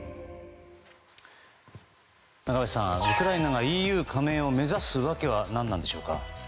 中林さん、ウクライナがＥＵ加盟を目指す訳は何なんでしょうか。